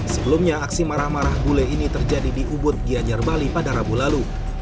sebelumnya aksi marah marah bule ini terjadi di ubud gianyar bali pada rabu lalu